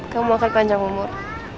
kamu akan panjang umur